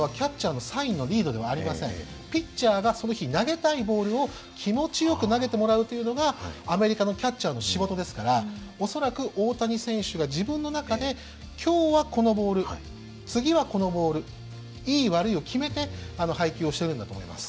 ピッチャーがその日投げたいボールを気持ちよく投げてもらうというのがアメリカのキャッチャーの仕事ですから恐らく大谷選手が自分の中で今日はこのボール次はこのボールいい悪いを決めて配球をしてるんだと思います。